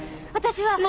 私は。